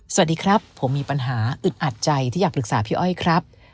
สวัสดีครับผมมีปัญหาอึดอัดใจที่อยากปรึกษาพี่อ้อยครับ